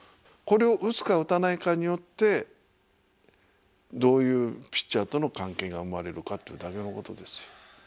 これを打つか打たないかによってどういうピッチャーとの関係が生まれるかっていうだけのことですよ。